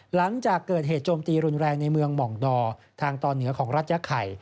หลังจากเกิดเหตุโจมตีรุนแรงในเมืองหม่องดอทางตอนเหนือของรัฐยะไข่